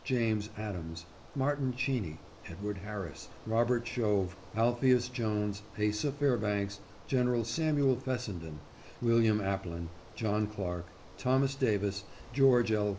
James Adams, Martin Cheeney, Edward Harris, Robert Shove, Alpheus Jones, Asa Fairbanks, Gen. Sam'l Fessenden, William Aplin, John Clark, Thomas Davis, George L.